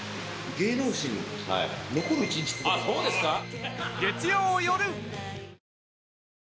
あっそうですか？